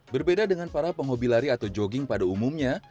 berbeda dengan para penghobi lari atau jogging pada umumnya